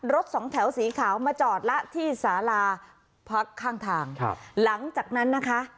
สองแถวสีขาวมาจอดละที่สาราพักข้างทางครับหลังจากนั้นนะคะ